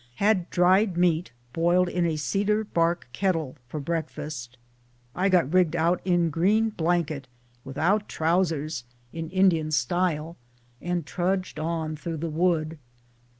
Had dried meat boiled in a cedar bark kettle for breakfast. I got rigged out in green blanket without trousers, in In MOUNT RAINIER dian style, and trudged on through the wood.